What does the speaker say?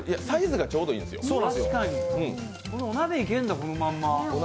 サイズがちょうどいいんですよ。